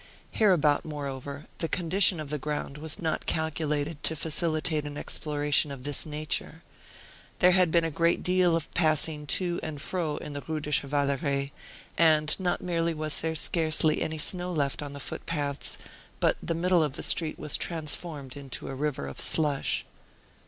Hereabout, moreover, the condition of the ground was not calculated to facilitate an exploration of this nature. There had been a great deal of passing to and fro in the Rue du Chevaleret, and not merely was there scarcely any snow left on the footpaths, but the middle of the street was transformed into a river of slush.